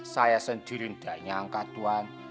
saya sendiri tidak nyangka tuhan